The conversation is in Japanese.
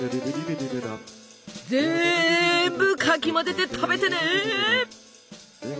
ぜんぶかき混ぜて食べてね。